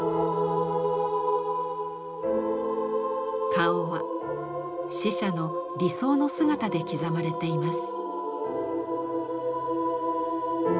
顔は死者の理想の姿で刻まれています。